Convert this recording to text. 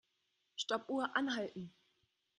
Stoppuhr anhalten.